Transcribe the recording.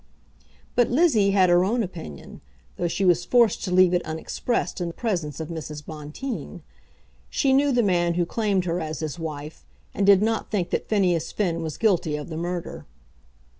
But Lizzie had her own opinion, though she was forced to leave it unexpressed in the presence of Mrs. Bonteen. She knew the man who claimed her as his wife, and did not think that Phineas Finn was guilty of the murder.